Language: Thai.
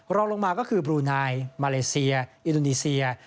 รองลงมาก็คือบลูนายมาเลเซียอินโดนีเซีย